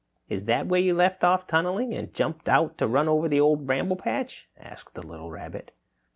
"Is that where you left off tunneling and jumped out to run over to the Old Bramble Patch?" asked the little rabbit.